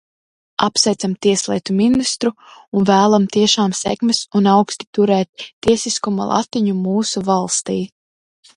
Apsveicam tieslietu ministru un vēlam tiešām sekmes un augsti turēt tiesiskuma latiņu mūsu valstī!